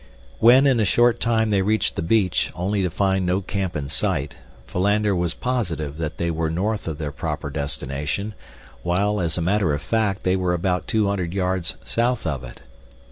When in a short time they reached the beach, only to find no camp in sight, Philander was positive that they were north of their proper destination, while, as a matter of fact they were about two hundred yards south of it.